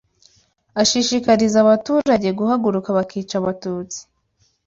ashishikariza abaturage guhaguruka bakica Abatutsi